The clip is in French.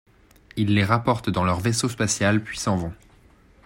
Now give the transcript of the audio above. Ils les rapportent dans leur vaisseau spatial puis s'en vont.